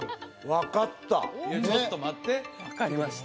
分かった？